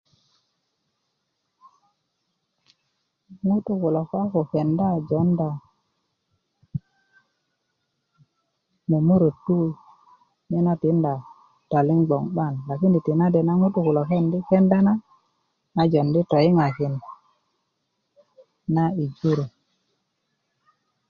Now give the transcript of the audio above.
ŋutu kulo ko a ko kenda jonda mömörötu nyena tinda taliŋ gboŋ 'ban lakini tina de na ŋutú kulo a je kenda a jondi toyiŋakin na i jur